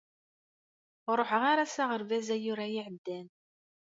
Ur ruḥeɣ ara s aɣerbaz ayyur-ayi iɛeddan.